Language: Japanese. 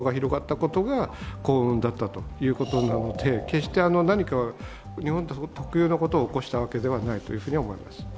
たまたまですよね、日本でそのタイプが広がったことが幸運だったということなので決して何か日本特有のことを起こしたわけではないと思います。